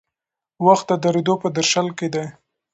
وخت د درېدو په درشل کې دی.